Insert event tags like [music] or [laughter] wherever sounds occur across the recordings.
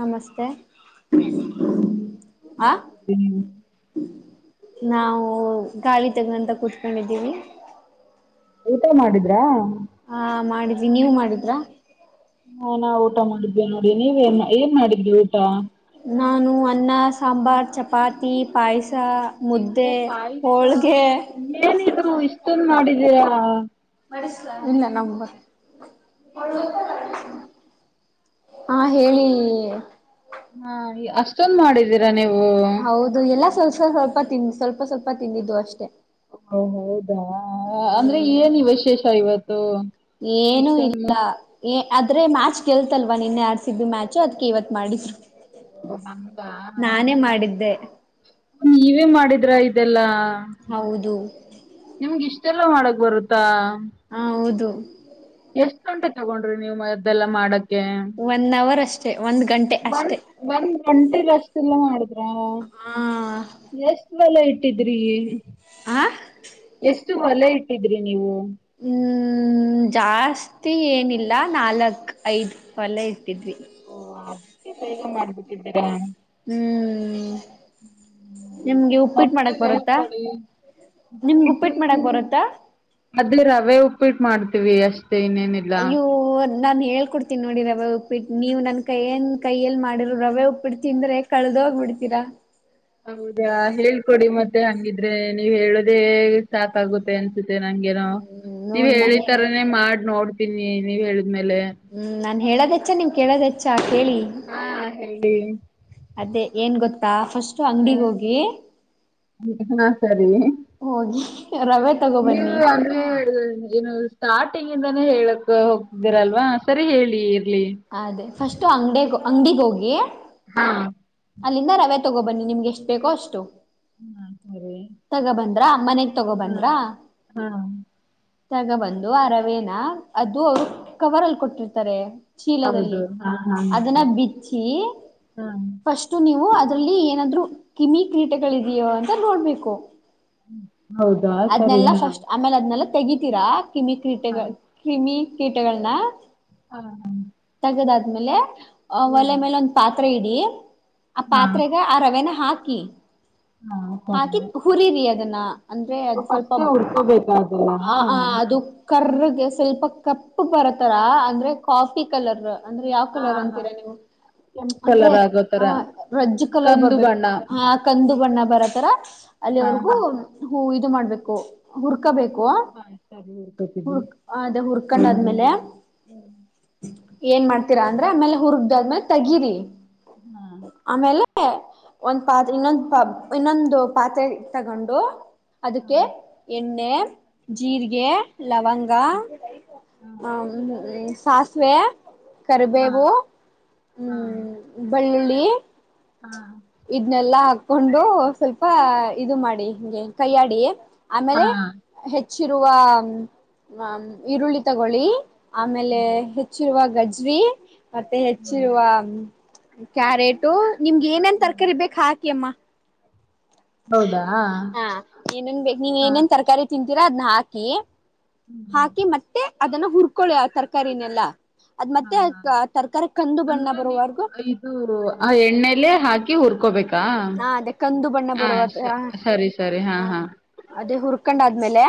ನಮಸ್ತೆ ಆಹ್ ನಾವು ಗಾಳಿ ತಗಂತ ಕೂತ್ಕನ್ಡಿದ್ದೀವಿ ಊಟ ಮಾಡಿದ್ರಾ? ಹಾ ಮಾಡಿದ್ವಿ, ನೀವು ಮಾಡಿದ್ರಾ? ಹಾ ನಾವ್ ಊಟ ಮಾಡಿದ್ವಿ ನೋಡಿ ನೀವೇನ್ ಏನ್ ಮಾಡಿದ್ರಿ ಊಟ ನಾನು ಅನ್ನ, ಸಾಂಬಾರ್, ಚಪಾತಿ, ಪಾಯ್ಸ ಓ ಪಾಯ್ಸ ಏನಿದು ಇಷ್ಟೊಂದು ಮಾಡಿದೀರಾ? ಇಲ್ಲ ನಮ್ ಹ ಹೇಳಿ ಹಾ ಅಷ್ಟೊಂದ್ ಮಾಡಿದೀರಾ ನೀವು ಹೌದು ಎಲ್ಲ ಸ್ವಲ್ಪ ಸೊ ಸ್ವಲ್ಪ ತಿನ್ ಸ್ವಲ್ಪ ಸ್ವಲ್ಪ ತಿಂದಿದ್ದು ಅಷ್ಟೇ ಓ ಹೌದಾ ಅಂದ್ರೆ ಏನ್ ವಿಶೇಷ ಇವ್ ಏನೂ ಇಲ್ಲ ಏನ್ ಆದ್ರೆ ಮ್ಯಾಚ್ ಗೆಲ್ತಲ್ವಾ ನಿನ್ನೆ ಆಡ್ಸಿದ್ದು ಮ್ಯಾಚು ಅದ್ಕೆ ಇವತ್ ಮಾಡಿದ್ ಓ, ಹಂಗಾ ನಾನೇ ಮಾಡಿದ್ದೆ ನೀವೇ ಮಾಡಿದ್ರ ಇದೆಲ್ಲಾ ಹೌದು ಇದೆಲ್ಲ ಮಾಡಕ್ ಬರುತ್ತಾ ಹಾ ಹೌದು ಎಷ್ಟ್ ಗಂಟೆ ತಗೊಂಡ್ರಿ ನೀವು ಮ ಇದ್ದೆಲ್ಲ ಮಾಡಕ್ ವನ್ ಅವರ್ ಅಷ್ಟೇ ಒಂದ್ ಗಂಟೆ ಅಷ್ಟೆ ಒಂಟಿ ರಷ್ಟ ಎಲ್ಲ ಮಾಡ ಹ ಎ ಹೊಲ ಇಟ್ಟಿದ್ರಿ ಎಷ್ಟ ಆ ಎಷ್ಟು ಹೊಲ ಇಟ್ಟಿದ್ರಿ ನೀವು ಹ್ಮ್ ಜಾಸ್ತಿ ಏನಿಲ್ಲ ನಾಲ್ಕು ಐದು ಹೊಲ ಇಟ್ಟಿದ್ವಿ ಓ ಅದಕ್ಕೆ ಬೇಗ ಮಾಡ್ಬಿಟ್ಟಿದ್ದೇನೆ ನಾ ಹ್ಮ್ ನಿಮ್ಗೆ ಉಪ್ಪಿಟ್ಟ ನಮ್ಗೂ ಮಾಡಕ್ ಬರತ್ತಾ ಹೇಳ್ಕೊಡಿ ನಿಮ್ಗ ಉಪ್ಪಿಟ್ಟು ಉಪ್ಪಿಟ್ಟ ಮಾಡಕ್ ಬರತ್ತಾ ಿಟ್ ಮಾಡ್ತೀವಿ ಅಷ್ಟೇ ಮ ಇನೇನಿಲ್ಲ ನಾನ್ ಹೇಳ್ಕೊಡ್ತೀನಿ ನೋಡಿ ರವೆ ಉಪ್ಪಿಟ್ಟ ನೀವು ನನ್ ಕೈ ಏನ್ ಕೈಯ ಎಲ್ಲಿ ಮಾಡಿರರು ರವೆ ಉಪ್ಪಿಟ್ಟ ತಿಂದ್ರೆ ಕಳ್ದ ಹೋಗ್ಬಿಡ್ತೀರಾ ಹೌದಾ ಹೇಳ್ಕೊಡಿ ಮತ್ತೆ ಹಂಗಿದ್ದ ಆದ್ರೆ ನೀವ್ ಹೇಳುದೇ ಸಾಕ ಆಾಗುತ್ತೆ ಅ ನಂಗೆೇನೋ ಹ್ಮ್ ನೀವ್ ನೋಡ್ ಹೇಳಿ ನಾನೇ ತರನೇ ಮಾಡಿ ನೋಡ್ ಇನ್ನ ಆಮೇಲೆ ಹೇಳೋದಚ್ಚ ನೀಮ್ ಕೇಳೋದಚ್ಚ ಹೇಳಿ ಹಾ ಹೇಳಿ ಅದೇ ಏನ್ ಗೊತ್ತ. ಸಾ. ಫಸ್ಟ್ ಅಂಗಡಿಿಗೆ ಹೋಗಿ ಹೋಗಿ. ರವೆ ನೀ ತಗೋಬನ್ನಿ ಅಂದ್ರೆ ಏನು ಸ್ಟಾರ್ಟಿಂಗ್. ಾನೇ ಹೇಳಕ್ ಹೋಗ್ತಿದ್ದೀರಲ್ವಾ ಸರಿ ಹೇಳಿ. ಇರ್ಲಿ ಅದೇ ಫಸ್ಟ್ ಅಂಗಡಿಗ. ಅಂಗಡಿಗೋಗಿ. ಹಾ. ಅಲ್ಲಿಂದ ರವೆ ತಗೋ ಬನ್ನಿ ನಿಮ್ಗೆ ಎಷ್ಟು ಬೇಕೋ ಅಷ್ಟು. ಹ ಸರಿ. ಮನೆಗೆ. ಹ್ಮ ಹಾ. ತಗ ಬಂದು ಅ ರವೇನಾ ಅದು ಅವರು ಕವರ್ ಅಲ್ಲಿ ಕೊಟ್ಟಿರ್ತಾರೆ. ಚೀಲದಲ್ಲಿ ಹೌದು ಹಾ ಹಾ ಅದನ್ನ ಹೌದು ಬಿಚ್ಚಿ. ಹಾ ಅಷ್ಟು ನೀವು ಅದ್ರಲ್ಲಿ ಏನಾದ್ರು ಕಿಮಿ ಕ್ರೀಟಗಳಿದೆಯೋ ಅಂತ ನೋಡ್ಬೇಕು. ಹೌದು ಆ ಸರಿ ಹಾ. ತೆಗೀತೀರಾ. ಕಿಮಿ ಹಾ ಕ್ರೀಟಗಳ್ ಕಿಮಿ. ಕೀಟಗಳ್ನ ಹಾ ಹಾಂ. ಅದ್ ಆದ್ಮೇಲೆ. ಆ ಒಲೆ ಮೇಲ್ ಒಂದ್ ಪಾತ್ ತ್ರೆ ಇಡಿ. ಆ ಹಾ ಪಾತ್ರೆಗೆ ಆ ರವೆನ ಹಾಕ್ ಕಿ ಹಾ ಸರಿ ಹಾಕಿ ಹುರಿರಿ ಅದನ್ನ ಅಂದ್ರೆ ಅದ್ ಸ್ವಲ್ಪ ಏ ಹುರ್ಕೊಬೇಕ ಅದನ್ನ ಆ ಹಾ ಅದು. ಕರ್ರಗೆ ಸ್ವಲ್ಪ ಕಪ್ಪ ಬರೊತ್ತರ ಅಂದ್ರೆ ಕಾಫಿ ಕಲರ್. ಅಂದ್ರೆ ಯಾವ್ ಕಲರ್ ಹಾ ಅಂತೀರಾ ನೀವು ಕೆಂಪ್ ಅಂದ್ರೆ. ಕಲರ್ ಆಗೋ ಹ ತರ ರೆಜ್ಜ್ ಕಲರ್ ಕಂದು ಬರ್ಬೇಕು ಬಣ್ಣ ಹ ಕಂದು ಬಣ್ಣ. ಬರೊತ್ತರ. ಹಾ ಅಲ್ಲಿವ್ರಗೂ. ಹಾ ಹ್ಮ ಇದು ಮಾಡ್ಬೇಕು. ಹುರ್ಕಬೇಕು ಹುರ್ಕೊ ಹಾ ಸರಿ ಹುರ್ಕೊತಿದ್ವಿ ಹುರ್ ಅದೇ ಹುರ್ ಕಂಡಾದ್ಮೇಲೆ. ಹ್ಮ್ ಏನ್ ಮಾಡ್ತೀರಾ ಅಂದ್ರೆ ಆಮೇಲ್ ಹುರ್ಗ್ದಾದ್ಮೇಲ್ ತಗಿರಿ. ಹ್ಮ ಆಮೇಲೆ ಒಂದ್ ಪಾತ್ರೆ ಇನ್ನೊಂದ್ ಇನ್ನೊಂದ್ ಪಾತ್ರೆ ತಗೊಂಡು. ಅದುಕ್ಕೆ ಎಣ್ಣೆ. ಜೀರ್ಗೆ ಲವಂಗ ಹಾ ಹ್ಮ್ ಹ್ಮ್. ಸಾಸ್ವೆ ಹಾ ಕರ್ಬೇವು ಹಾ ಹ್ಮ್ ಬಳ್ ಳ್ಳಿ ಹಾ ಇದ್ನೆಲ್ಲಾ ಹಾಕೊಂಡು ಸ್ವಲ್ಪ ಇದು ಮಾಡಿ ಹಿಂಗೆ ಕೈಯಾಡಿ. ಹಾ ಆಮೇಲೆ ಹೆಚ್ ಚ್ಚಿರುವ ಈರುಳ್ಳಿ ತಗೊಳ್ಳಿ. ಆಮೇಲೆ ಸರಿ ಹೆಚ್ಚಿರುವ ಗಜ್ ಜ್ರಿ. ಮತ್ತೆ ಹಾ ಹೆಚ್ಚಿರುವ. ಕ್ಯಾರೇಟು ನಿಮ್ಗ್ ಏನನ್ ತರ್ ಹ್ಮ್ ಕಾಕಿ ಅಮ್ಮ. ಹಾ ಏನೇನ್ ಬ, ನೀನ್ ಏನೇನ್ ತರ್ಕಾರಿ ತಿಂ ತೀರ ಅದ್ನ ಹಾಕಿ. ಹ್ಮ್ ಹಾಕಿ ಮತ್ತೆ. ಅದನ್ನ ಹುರ್ಕೊಳ್ಳಿ ಆ ತರ್ಕಾರಿನೆಲ್ಲಾ. ಹಾ ಹಾ ಬಣ್ಣ ಅಂದ್ರೆ ನೀವು ಬರುವವರ್ಗೂ ಇದು ಆ ಎಣ್ಣೆಲೆ ಹಾಕಿ ಹುರ್ಕೋಬೇಕಾ. ಹಾ ಅದೇ ಕಂದು ಬಣ್ಣ ಬರುವ ಹಾ ಅದೇ ಹುರ್ಕೊಂಡ್ ಅದ್ಮೇಲೆ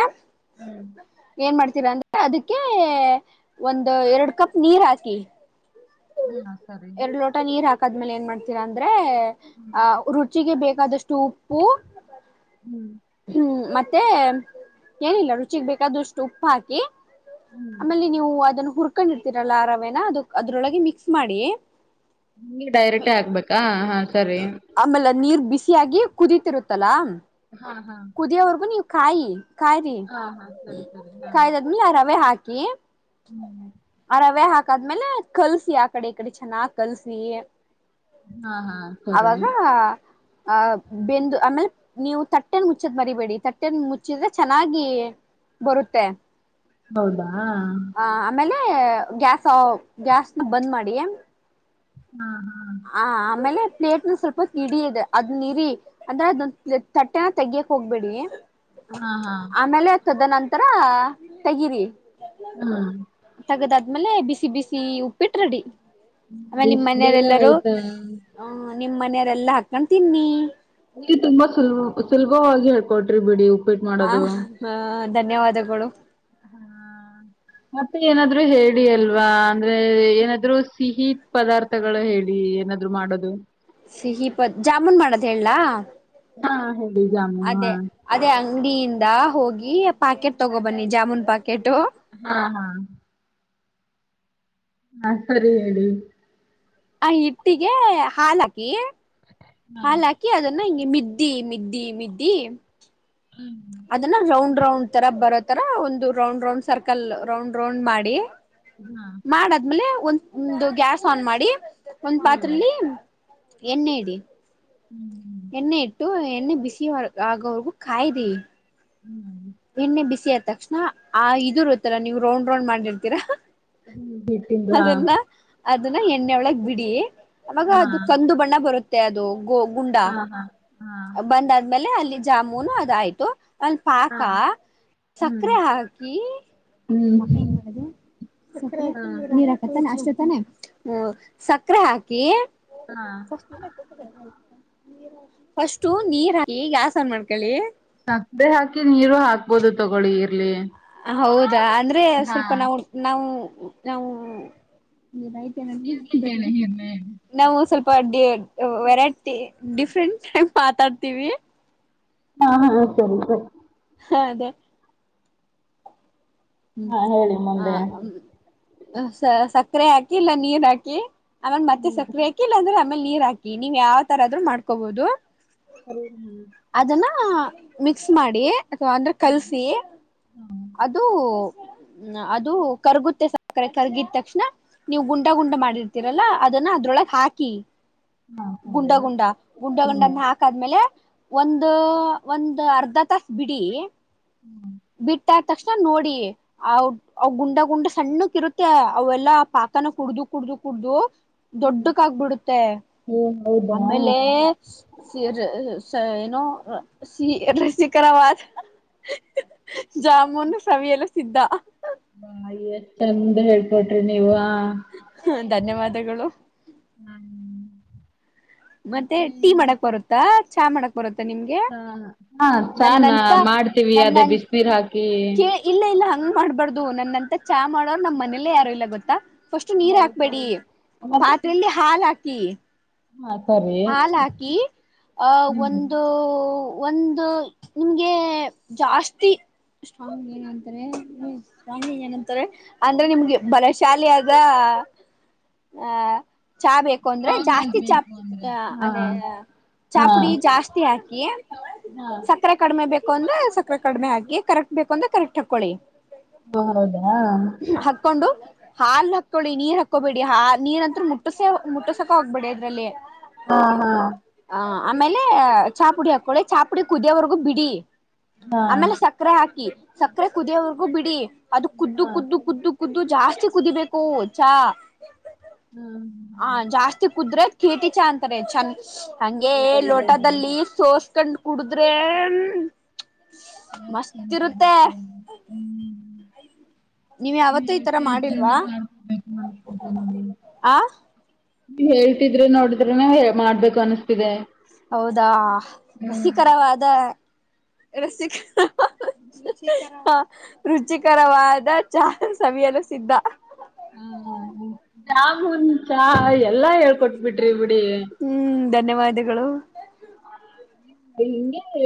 ಹ್ಮ್ ಏನ್ ಮಾಡ್ತ ತಿರ ಅಂದ್ರೆ ಅದುಕ್ಕೆ ಒಂದು ಎರಡ್ ಕಪ್ ನೀರ್ ಹಾಕಿ. ಹ್ಮ ಅದ್ ಸರಿನೆ. ಕದ್ಮೇಲೆ ಏನ್ ಮಾಡ್ತಿರ ಅಂದ್ರೆ. ವೈರ್ ಅ ರುಚಿಗೆ ಬೇಕ್ ಕದಷ್ಟು ಉಪ್ಪು. ಹ್ಮ್ ಹ್ಮ್ ಮತ್ ಮತ್ತೆ ಏನಿಲ್ಲ ರುಚಿಗ್ ಬೇಕಾದಷ್ಟ ಉಪ್ಪ ಹಾಕಿ. ಆಮೇಲೆ ನೀವು ಅದನ್ನು. ಹುರ್ಕೊಂಡಿರ್ತಿರಲ್ಲ ಆ ರವೇನ ಅದ್ ದ್. ಅದ್ರೊಳಗೆ ಮಿಕ್ಸ್ ಮಾಡಿ. ನಿಗ್ ಡೈರೆಕ್ಟೇ ಹಾಕ್ಬೇಕಾ ಹಾ ಸರಿ. ಆಮೇಲೆ ನೀರ್ ಬಿಸಿಯಾಗಿ ಕುದೀತಿರುತ್ತಲಾ. ಹಾ ಹಾ ಕುದಿಯವರ್ಗು ನೀ ಕಾಯಿ ಕಾಯ್ರಿ ಹಾ ಹಾ ಸರಿ ಸರಿ ಹಾ ಕಾಯ್ದದ್ಮಲೆ ಅ ರವೆ ಹಾಕಿ. ಕಿ ಹ್ಮ್ ಆ ರವೆ ಹಾಕ್ ಕದ್ಮೇಲೆ ಕಲ್ಸಿ ಆ ಕಡೆ ಈ ಕಡೆ ಚೆನ್ನಾಗ್ ಕಲ್ಸಿ. ಹಾ ಹಾ ಸರಿ. ಅವಾಗ ಆ ಬೆಂದು ಆಮೇಲ್ ನೀವು ತ ತಟ್ಟೆನ್ ಮುಚ್ಚದ್ ಮರಿಬೇಡಿ ತಟ್ಟೆನ್ ಮುಚ್ಚಿದ್ರೆ ಚೆನ್ನಾಗಿ ಬರುತ್ತೆ. ಬೌದ ಹಾ ಆ ಆಮೇಲೆ ಗ್ಯಾಸ್ ಗ್ಯಾಸ್ನ ಬಂದ್ ಮಾಡಿ. ಹಾ ಹ ಹ ಆಮೇಲೆ ಪ್ಲೇಟ್ನ ಸ್ವಲ್ಪ ಹೋತ್ ಇಡಿ ಇದೆ ಅದ್ನ್ ಇರಿ ಅಂದ್ರೆ ಅದ್ ತಟ್ಟೆನ ತೆಗ್ಯಕ್ ಹೋಗ್ಬೇಡಿ. ಹಾ ಹಾ ಆಮೇಲೆ ತದ ನಂತ್ ಹರ ತೆಗೀರಿ ಹಾ ಆದ್ಮೇಲೆ ಬಿಸಿ ಬಿಸಿ ಉಪ್ಪಿಟ್ಟ ರೆಡಿ ಆಮೇಲೆ ಬ್ ನಿಮ್ ಬೇಗ ಆಯ್ತು ಹ ಮನೆಯರೆಲ್ಲಾ ಹಾಕೊಂಡ್ ತಿನ್ನಿ ಅಲ್ಲಿ ತುಂಬಾ ಸುಲ ಸುಲಭವಾಗಿ ಹೇಳ್ಕೊಟ್ರಿ ಬಿಡಿ ಉಪ್ಪಿಟ್ಟು ಹ ಮಾಡೋದು ಹ ಧನ್ಯವಾದಗಳು ಹಾ ಮತ್ತೆ ಏನಾದ್ರು ಹೇಳಿ ಅಲ್ವಾ ಅಂದ್ರೆ ಏನಾದ್ರು ಸಿಹಿ ಪದಾರ್ಥಗಳು ಹೇಳಿ ಏನಾದ್ರು ಮಾಡೋದು ಸಿಹಿಪತ್ ಜಾಮೂನ್ ಮಾಡೋದ್ ಹೇಳಲಾ ಹಾ ಹೇಳಿ ಜಾಮೂನು ಹಾ ಅದೇ ಅದೇ ಅಂಗಡಿಯಿಂದ ಹೋಗಿ ಪಾಕೆಟ್ ತಗೋಬನ್ನಿ ಜಾಮೂನ್ ಪಾಕೆಟ್ ಹಾ ಹಾ ಹಾ ಸರಿ ಹೇಳಿ ಆ ಹಟ್ಟಿಗೆ ಹಾಲಾಕಿ ಹಾ ಹಕ್ಕಿ ಅದನ್ನ ಹ ಮ್ದಿ ಮಿದ್ದಿ ಮಿದ್ದಿ ಹ್ಮ್ ಅದನ್ನ ರೌಂಡ್ ರೌಂಡ್ ತರ ಬರೋತರ ಒಂದು round round circle round round ಮಾಡಿ ಹಾ ಮಾಡದ್ಮೇಲೆ ಒ ಒಂದು ಗ್ಯಾಸ್ ಆನ್ ಮಾಡಿ ಒಂದ್ ಹಾ ಪಾತ್ರಲ್ಲಿ ಎಣ್ಣೆ ಇಡಿ ಹ್ಮ್ ಹ್ಮ್ ಎಣ್ಣೆ ಇಟ್ಟು ಎಣ್ಣೆ ಬಿಸಿ ಆಗವ್ರಗೂ ಕಾಯರಿ ಹ್ಮ್ ಎಣ್ಣೆ ಬಿಸಿ ಆದ ತಕ್ಷಣ ಆ ಇದುರುತಲ್ಲ ನೀವ್ ರೌಂಡ್ ರೌಂಡ್ ಮಾಡಿರ್ತೀರಾ ಹಿಟ್ಟಿಂದು ಹಾ ಅದನ್ನ ಅದನ್ನ ಎಣ್ಣೆ ಒಳಗ್ ಬಿಡಿ ಅವಾಗ ಹಾ ಅದು ಕಂದು ಬಣ್ಣ ಬರುತ್ತೆ ತ್ಯ ಅದು ಗೋ ಗುಂಡಾ ಹಾ ಹಾ ಹಾ ಬಂದಾದ್ಮೇಲೆ ಅಲ್ಲಿ ಜಾಮೂನು ಅದಾಯ್ತು ಅಲ್ಲಿ ಪಾಕ ಹಾ ಹ್ಮ್ ಸಕ್ಕರೆ ಹಾಕಿ- ಹ್ಮ್ ಹಾಕಿ ಏನ್ ಮಾಡೋದು ಸಕ್ಕರೆ ಹಾ ನಿರಾಕದ್ ತಾನೇ ಅಷ್ಟೇ [unintelligible] ಹ ಸಕ್ಕರೆ ಹಾಕಿ ಹಾ [unintelligible] ನಿರಾಕಿ ಫಸ್ಟು ನೀರ್ ಹಾಕಿ ಎಯ್ ಗ್ಯಾಸ್ ಆನ್ ಮಾಡ್ಕೊಳ್ಳಿ ಸಕ್ಕರೆ ಹಾಕಿ ನೀರು ಹಾಕ್ಬೋದು ತಗೊಳ್ಳಿ ಇರ್ಲಿ ಹೌದ್ ಯ ಅಂದ್ರೆ ಹಾ ಸ್ವಲ್ಪ ನಾವು ನಾವು. ಹು ನಾವು. ನೈಟ್ ಏನಾದ್ರು ಇರ್ಲಿ ಹೇಳಿ ಇರ್ಲಿ [unintelligible] ಹೇಳಿ ನಾವು ಸ್ವಲ್ಪ ವೆರೈಟಿ ಡಿಫ್ರೆಂಟ್ ಟೈಪ್ ಮಾತಾಡ್ತೀವಿ. ಹಾ ಹಾ ಸರಿ ಸರಿ. ಹಾ ಅದೇ. ಹ್ಮ್ ಹಾ ಹೇಳಿ ಮುಂದೆ ಹ ಅಂ ಸ ಸಾ. ಸಕ್ಕರೆ ಹಾಕಿ ಇಲ್ಲ ನೀನ್ ಹಾಕಿ. ಅವಗ್ ಮತ್ತೆ ಸಕ್ರೀ ಹಾಕಿ ಇಲ್ಲಾಅಂದ್ರೆ ಆಮೇಲೆ ನೀರ್ ಹಾಕಿ ನೀವ್ ಯಾವ್ ತರ ಆದ್ರು ಮಾಡ್ಕೋಬಹುದು. ಅದನ್ನ [unintelligible] ಮಿಕ್ಸ್ ಮಾಡಿ. ಅಥವಾ ಆದ್ರೆ ಕಳ್ಸಿ. ಹ್ಮ್ ಅದು ಅದು ಕರ್ಗುತ್ತೆ ಸಕ್ಕರೆ ಕರ್ಗಿದ ತಕ್ಷಣ ನೀವು ಗುಂಡ ಗುಂಡ ಮಾಡಿರ್ತೀರಲ್ಲ ಅದನ್ನ ಅದ್ರೊಳಗ್ ಹಾಕಿ. ಹಾ ಗುಂಡ ಸರಿ ಗುಂಡ ಗುಂಡ ಗುಂಡ ಹ್ಮ್ ಹಾಕಾದ್ಮೇಲೆ ಒಂದು. ಒಂದ್ ಅರ್ಧ ತಾಸು ಬಿಡಿ. ಹ್ಮ್ ಮತ್ತ ತಕ್ಷಣ ನೋಡಿ ಅವ ಅವ ಗುಂಡ ಗುಂಡ ಸಣ್ಣಕ್ ಇರುತ್ತೆ ಅವೆಲ್ಲಾ ಪಾಕನ ಕುಡ್ದು ಕುಡ್ದು ಕುಡ್ದು. ದೊಡ್ಡಕ ಆಗ್ಬಿಡುತ್ತೆ ಹ್ಮ್ ಆಮೇಲೆ ಹೌದಾ ಸ ಏನು. No C ರಸಿಕರವಾದ. ಜಾಮೂನು ಸವಿಯಲು ಸಿದ್ದ. ಬಾಯ ಎಸ್ಟ್ ಚೆಂದ ಹೇಳ್ಕೊಟ್ರಿ ನೀವು ಅ. ಹ ಧನ್ಯವಾದಗಳು. ಮತ್ತೆ ಟೀ ಮಾಡಕ್ ಬರುತ್ತಾ. ಚಾ ಮಾಡೋಕ್ ಚಾ ಹಾ ಚಾ ನ ನನ್ನಂತ ಮಾಡ್ತೀವಿ ಅದೇ ನನ್ನಂತ ಬಿಸಿನೀರ್ ಹಾಕಿ. ದು ನನ್ನಂತ ಚಾ ಮಾಡೋರು ನಮ್ ಮನೇಲ್ಲೇ ಯಾರು ಇಲ್ಲ ಗೊತ್ತಾ. ಫಸ್ಟ್ ನೀರ್ ಹೌದಾ ಹಾಕ್ಬೇಡಿ ಮತ್ತೆ ಪಾತ್ರೆಯಲ್ಲಿ ಹಾಲ್ ಹಾಕ್ ಕೀ. ಹಾ ಸರಿ ಹಾಲ್ ಹಾಕಿ ಆ ಹ್ಮ್ ಒಂದು. ಒಂದು ನಿಮ್ಗೆ ಜಾಸ್ತಿ ಸ್ಟ್ರಾಂಗ್ ಏನಂತಾರೆ ಸ್ಟ್ರಾಂಗ್ ಏನಂತಾರೆ ಅಂದ್ರೆ ನಿಮ್ಗೆ ಬಲಶಾಲಿಯಾದ ಆ. ಚಾ ಬೇಕು ಅಂದ್ರೆ ಜಾಸ್ತಿ ಚಾಪ್ ಹಾ ಅದೇ ಹಾ ಚಾಪುಡಿ ಜಾಸ್ತಿ ಹಾಕಿ ಹಾ ಸಕ್ಕರೆ ಕಡಿಮೆ ಬೇಕು. ಹಕೊಂಡ್ರ ಸಕ್ಕ್ರರೆ ಕಡಿಮೆ ಹಾಕಿ ಕರೆಕ್ಟ್ ಬೇಕಂದ್ರೆ ಕರೆಕ್ಟ್ ಹಾಕ್ಕೊಳ್ಳಿ ಹಓ ಹೌದಾ ಹಾಕೊಂಡು ಹಾಲ್ ಹಾಕ್ಕೊಳ್ಳಿ ನೀರ್ ಹಾಕೋಬೇಡಿ ಹಾ ನೀರ್ಂತತ್ರೂ ಮುಟ್ಟಸ ಮುಟ್ಟಸಕ ಹೋಗ್ಬೇಡಿ ಅ ಇದದಲೇ ಹಾ ಹಾ ಹ ಆಮೇಲೆ ಚಾಪುಡಿ ಹಾಕೊಳ್ಳಿ ಚಾಪುಡಿ ಕುದಿಯವರೆಗೂ ಬಿಡಿ ಹಾ ಆಮೇಲೆ ಸಕ್ಕರೆ ಹಾಕಿ ಸಕ್ಕರೆ ಕುದಿಯೋವ್ರಗೂ ಬಿಡಿ ಅದು ಕುದ್ದು ಹಾ ಕುದ್ದು ಕುದ್ದು ಕುದ್ದು ಜಾಸ್ತಿ ಕುದಿಬೇಕು ಚಾ ಹ ಹ್ಮ್ ಜಾಸ್ತಿ ಕುದ್ರೆ ಕಿರ್ಟಿ ಚ ಅಂತರ ಂದ ಹಂಗೆ ಓ ಹೌದಾ ಲೋಟದಲ್ಲಿ ಸೋ ಕಂಡ ಕುಡುದ್ರೆ ಜಾಸ್ತ ನ ಮಸ್ತ್ ಇರುತ್ತೆ ಹ್ಮ್ ನೀವ್ ಯಾವತ್ತೂ ಈ ತರ ಮಾಡಿಲ್ವಾ ನೀಜ ಮಾಡಕೊಬೇಕು ಆ ಹೇಳ್ತಿದ್ರೆ ನೋಡಿದ್ರೆ ನ ಮಾಡ್ಬೇಕು ಅನಿಸ್ತಿದೆ ಹೌದಾ ರಸಿಕರವಾದ ರಸಿಕ ಹಾ ರುಚಿಕರವಾದ ಚಹಾ ಸವಿಯಲು ಸಿದ್ಧ ಹ ಜಾಮೂನ್ ಚಾ ಎಲ್ಲಾ ಹೇಳ್ಕೊಟ್ ಬಿಿಟ್ರಿ ಬಿಟಿ ಹ್ಮ್ ಧನ್ಯವಾದ ವ್ದಗಳು ಹಂಗೆ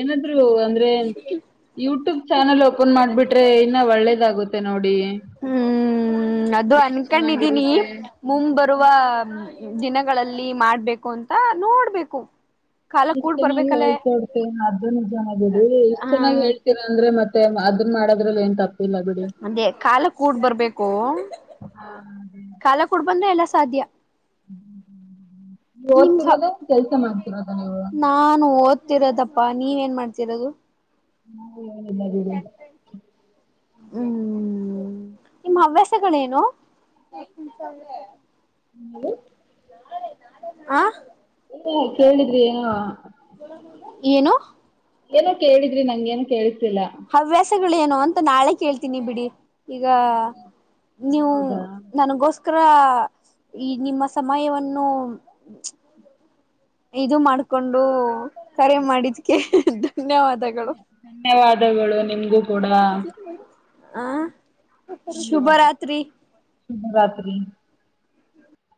ಏನಾದರು ಅಂದ್ರೆ ಯೂಟ್ಯೂಬ್ ಚಾನೆಲ್ ಓಪನ್ ಮಾಡ್ಬಿಟ್ರೆ ಇನ್ನ ಒಳ್ಳೇದಾಗುತ್ತೆ ನೋಡಿ ಹ್ಮ್ ಅದು ಎಷ್ಟ್ ಅನ್ಕೊಂಡಿದೀನಿ ಚೆನ್ನಾಗಿರುತ್ತೆ ಮು ಬರುವ ದಿನಗಳಲ್ಲಿ ಮಾಡ್ಬೇಕು ಅಂತ ನೋಡ್ಬೇಕು ಕಾಲ ನೀಷ್ಟ ಕೂಡ್ ಚೆನ್ನಾಗಿ ಬರ್ಬೇಕಲ್ಲ ಹೇಳ್ತೊಡ್ತೇ ಅದ್ದುನ ಚನಾಗೀ ಇಷ್ಟ ಚೆನ್ನಾಗಿ ಹ್ಮ್ ಹೇಳ್ತೀರ ಅಂದ್ರೆ ಮತ್ತೆ ಮ ಅದನ್ನ ಮಾಡೋದ್ರಲ್ಲಿ ಏನ್ ತಪ್ಪ ಅಂದೆ ಕಾಲ ಕೂಡ್ ಬರ್ಬೇಕು ಕಾಲ ಕೂಡ್ ಬಂದ್ರೆ ಎಲ್ಲ ಸಾದ ಹ್ಮ್ ಹ್ಮ ನೀ ಓದ್ತಿರೋದ ಕೆಲ್ಸ ಮಾಡ್ತಿರೋದ ನೀವು ಪ್ಪ ನೀವ್ ಏನ್ ಮಾಡ್ತಿರೋದು. ಹ್ಮ ಏನಿಲ್ಲ ಬಿಡಿ. ಹ್ಮ್ ನಿಮ್ ಹವ್ಯಾಸಗಳೇನು. ಹ್ಮ ಆ ಹು ಕೇಳಿದ್ರಿ ಏನೂ. ಏನು. ಏನೋ ಕೇಳಿದ್ರಿ ನಂಗ ಏನೋ ಕೇಳಿದಿ ಇಲ್ಲ. ಏನು ಅಂತ ನಾಳೆ ಕೇಳ್ತೀನಿ ಬಿಡಿ. ಈಗ ನೀವು ಹೌದಾ ನನಗೋಸ್ಕ ಕ್ರ ಈ ನಿಮ್ಮ ಸಮಯವನ್ನು. ಇದು ಮಾಡ್ಕೊಂಡು ಕರೆ ಮಾಡಿದ್ಕೆ. ಧನ್ಯವಾದಗಳು ಧನ್ಯ ಧನ್ಯವಾದಗಳು ನಿಮ್ಗೂ ಕೂಡ. ಹ ಧನ್ಯವಾದ ಶುಭರಾತ್ರಿ.